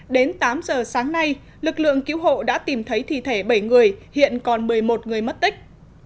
đến tám giờ sáng nay lực lượng cứu hộ đã tìm thấy thi thể bảy người hiện còn một mươi một người mất tích